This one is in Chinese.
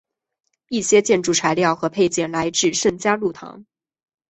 一些建筑材料和配件来自圣嘉禄堂。